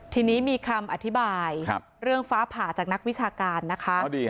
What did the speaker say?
ทีนี้มีคำอธิบายเรื่องฟ้าผ่าจากนักวิชาการนะคะ